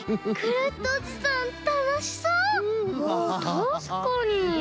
たしかに。